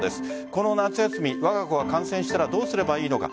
この夏休み、わが子が感染したらどうすればいいのか。